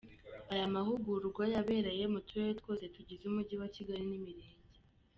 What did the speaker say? Aya mahugurwa yabereye muturere twose tugize Umujyi wa Kigali n'Imirenge.